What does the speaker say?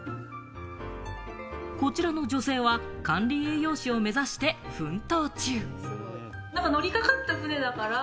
こちらの女性は管理栄養士を目指して奮闘中。